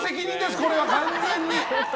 これは完全に。